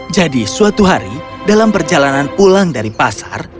jadi suatu hari dalam perjalanan pulang dari pasar